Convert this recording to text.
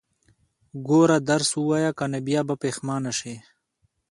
ګوره، درس ووايه، که نه بيا به پښيمانه شې.